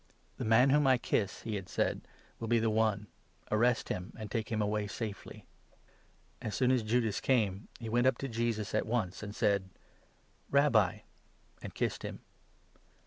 "The man whom I kiss," he had said, "will be the one ; arrest him and take him away safely." As soon as Judas came, he went up to Jesus at once, and said : 45 "Rabbi!" and kissed him.